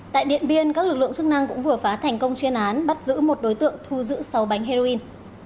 tại điện biên các lực lượng chức năng cũng vừa phá thành công chuyên án bắt giữ một đối tượng thu giữ sáu bánh heroin